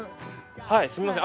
はいすみません。